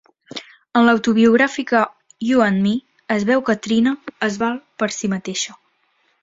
En l'autobiogràfica "U and Me" es veu que Trina es val per si mateixa.